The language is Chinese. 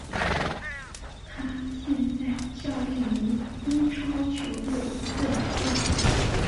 他现在效力于英超球队布莱顿。